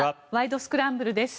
スクランブル」です。